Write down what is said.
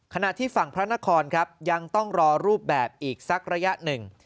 ขณะที่ฝั่งพระนครครับยังต้องรอรูปแบบอีกสักระยะหนึ่ง